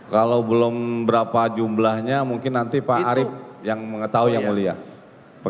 kalau belum berapa jumlahnya mungkin nanti pak arief yang mengetahui yang mulia